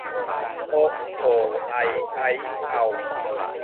โอะ โอ ไอ ใอ เอา